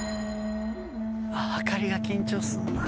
あ明かりが緊張するな。